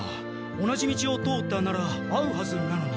同じ道を通ったなら会うはずなのに。